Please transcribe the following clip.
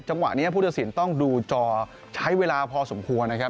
จังหวะนี้ผู้ตัดสินต้องดูจอใช้เวลาพอสมควรนะครับ